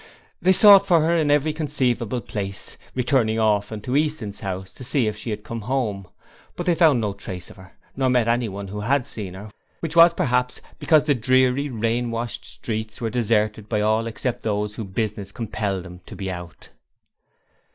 They sought for her in every conceivable place, returning often to Easton's house to see if she had come home, but they found no trace of her, nor met anyone who had seen her, which was, perhaps, because the dreary, rain washed streets were deserted by all except those whose business compelled them to be out.